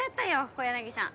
小柳さん